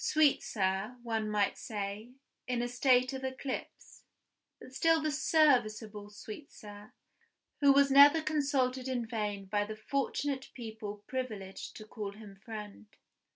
Sweetsir one might say, in a state of eclipse; but still the serviceable Sweetsir, who was never consulted in vain by the fortunate people privileged to call him friend!